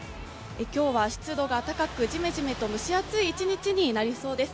今日は湿度が高く、ジメジメと蒸し暑い一日となりそうです。